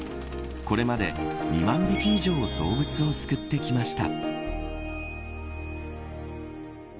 これまで２万匹以上の動物を救ってきました。